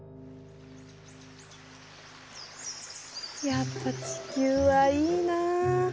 やっぱ地球はいいな。